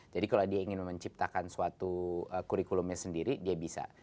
jadi kalau dia ingin menciptakan suatu kurikulumnya sendiri dia bisa